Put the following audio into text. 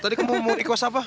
tadi kamu merequest apa